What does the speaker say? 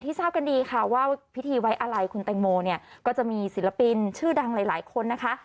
ทราบกันดีค่ะว่าพิธีไว้อะไรคุณแตงโมเนี่ยก็จะมีศิลปินชื่อดังหลายหลายคนนะคะ